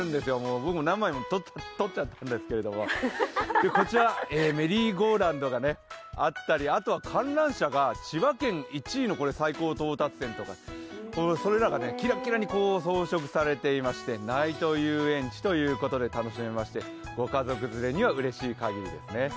僕も何枚も撮っちゃったんですけれども、こちら、メリーゴーランドがあったりあとは観覧車が千葉県１位の最高到達点とかそれらがキラキラに装飾されていまして、ナイト遊園地ということで楽しめましてご家族連れにはうれしいかぎりですね。